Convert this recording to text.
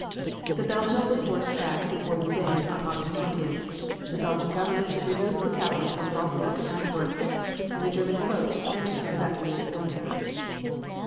The Belgians were forced back before Louvain on August 20th, the Belgian Government removed the capital from Brussels to Antwerp, and the German hosts entered evacuated Brussels.